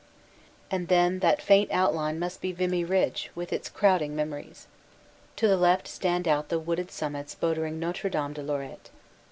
And then that faint outline must be Vimy Ridge with its crowding memories. To the left stand out the wooded sum mits bordering Notre Dame de Lorette.